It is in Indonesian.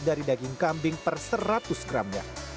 dari daging kambing per seratus gramnya